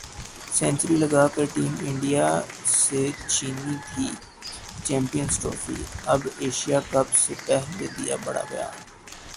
century لگا کر team India سے چھینی تھی چمپئنز ٹرافی ، اب ایشیا کپ سے پہلے دیا بڑا بیان